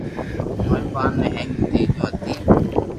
ماري ٻآن ني ھيک ديديو ھتي